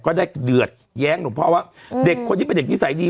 ได้เดือดแย้งหลวงพ่อว่าเด็กคนนี้เป็นเด็กนิสัยดี